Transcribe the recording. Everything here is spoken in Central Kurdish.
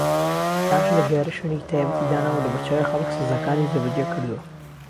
داعش لە گەیارە شوێنێکی تایبەتی داناوە و لەبەرچاوی خەڵک سزاکانی جێبەجێ کردووە